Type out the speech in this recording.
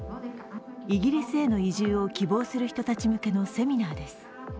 イギリスへの移住を希望する人向けのセミナーです。